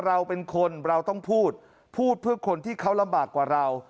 เราเป็นคนเราต้องพูดพูดเพื่อคนที่เขาลำบากกว่าเรา